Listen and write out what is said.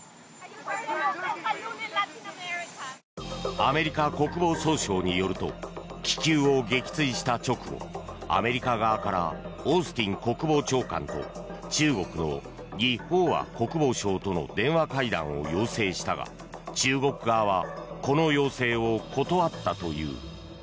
アメリカ国防総省によると気球を撃墜した直後アメリカ側からオースティン国防長官と中国のギ・ホウワ国防相との電話会談を要請したが中国側はこの要請を断ったという。